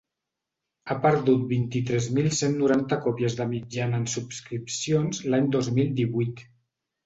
Ha perdut vint-i-tres mil cent noranta còpies de mitjana en subscripcions l’any dos mil divuit.